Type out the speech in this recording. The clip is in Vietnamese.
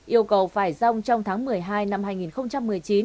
yêu cầu phải rong trong tháng một mươi hai năm hai nghìn một mươi chín